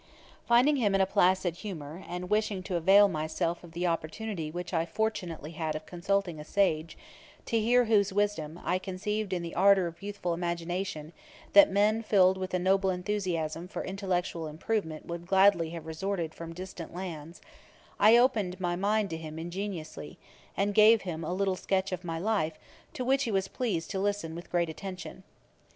Finding him in a placid humour, and wishing to avail myself of the opportunity which I fortunately had of consulting a sage, to hear whose wisdom, I conceived in the ardour of youthful imagination, that men filled with a noble enthusiasm for intellectual improvement would gladly have resorted from distant lands; I opened my mind to him ingenuously, and gave him a little sketch of my life, to which he was pleased to listen with great attention. [Page 405: The differences of Christians. Ætat 54.